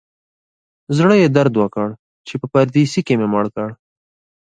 زړه یې درد وکړ چې په پردیسي کې مې مړ کړ.